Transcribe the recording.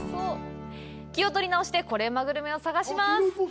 気を取り直してコレうまグルメを探します！